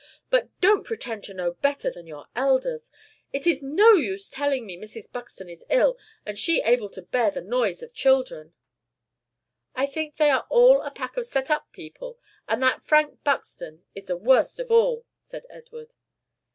But don't pretend to know better than your elders. It is no use telling me Mrs. Buxton is ill, and she able to bear the noise of children." "I think they are all a pack of set up people, and that Frank Buxton is the worst of all," said Edward.